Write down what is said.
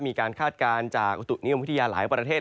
คาดการณ์จากอุตุนิยมวิทยาหลายประเทศ